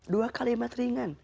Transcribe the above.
dua kalimat ringan